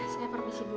saya permisi dulu